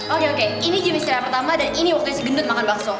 oke oke ini jam istirahat pertama dan ini waktunya si gendut makan bakso